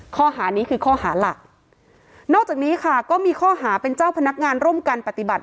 ข้อหานี้คือข้อหาหลักนอกจากนี้ค่ะก็มีข้อหาเป็นเจ้าพนักงานร่วมกันปฏิบัติ